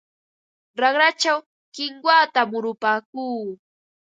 Raqrachaw kinwata murupaakuu.